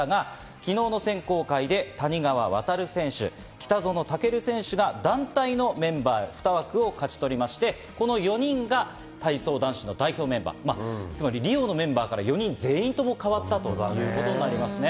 昨日の選考会で谷川航選手、北園丈琉選手が団体のメンバーのふた枠を勝ち取りまして、この４人が体操男子の代表メンバー、リオのメンバーから４人全員、変わったということになります。